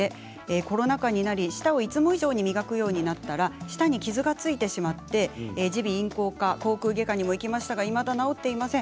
コロナ禍になって舌をいつも以上に磨くようになったら舌に傷がついてしまって耳鼻咽喉科、口こう外科にも行きましたがいまだに治っていません。